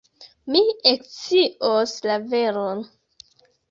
Mi ekscios la veron.